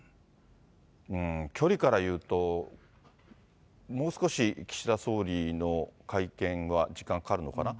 距離からいうと、もう少し、岸田総理の会見は時間かかるのかな。